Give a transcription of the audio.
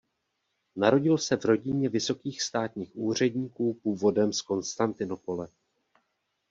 Narodil se v rodině vysokých státních úředníků původem z Konstantinopole.